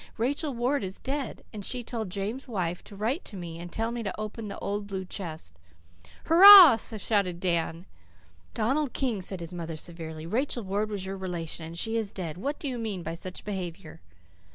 "Rachel Ward is dead. And she told James' wife to write to me and tell me to open the old blue chest." "Hurrah!" shouted Dan. "Donald King," said his mother severely, "Rachel Ward was your relation and she is dead. What do you mean by such behaviour?"